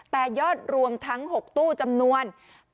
แต่ยอดรวมทั้ง๖ตู้จำนวน